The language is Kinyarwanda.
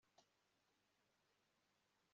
umwambaro we w'ubururu, wakozwe muburyo bw'abayapani